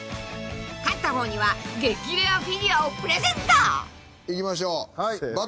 ［勝った方には激レアフィギュアをプレゼント］いきましょうバトル開始！